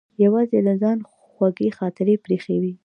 یوازې له ځانه خوږې خاطرې پرې ایښې.